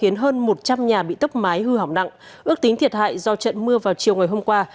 nhà bị tốc mái hư hỏng nặng ước tính thiệt hại do trận mưa vào chiều ngày hôm qua